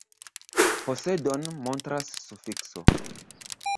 Posedon montras sufikso.